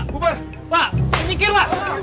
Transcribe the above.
bubar bubar bubar